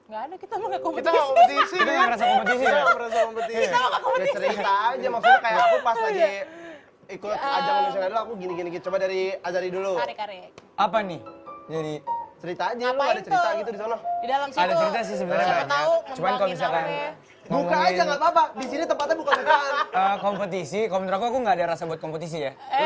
gak ada sih kita ga kompetisi